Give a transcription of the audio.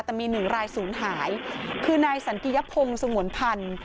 แต่มีหนึ่งรายศูนย์หายคือนายสันติยพงศ์สงวนพันธ์